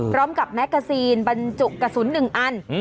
พร้อมกับแมกาซีนบรรจุกกระสุนหนึ่งอัน